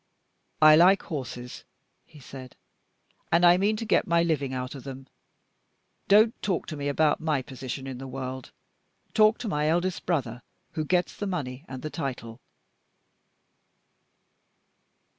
"I like horses," he said, "and I mean to get my living out of them. Don't talk to me about my position in the world. Talk to my eldest brother, who gets the money and the title."